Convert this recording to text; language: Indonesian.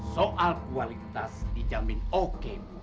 soal kualitas dijamin oke